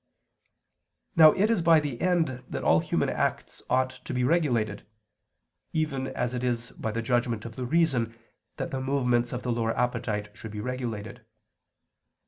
Now it is by the end that all human acts ought to be regulated, even as it is by the judgment of the reason that the movements of the lower appetite should be regulated.